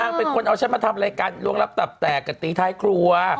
เป็นคนเอาฉันมาทำรายการลวงรับตับแตกกับตีท้ายครัว